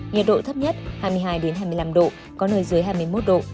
nhiệt độ thấp nhất hai mươi hai hai mươi năm độ có nơi dưới hai mươi một độ